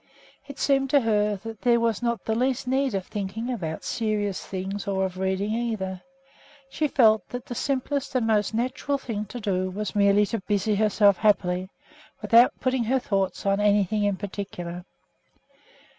It seemed to her that there was not the least need of thinking about serious things or of reading, either. She felt that the simplest and most natural thing to do was merely to busy herself happily, without putting her thoughts on anything in particular.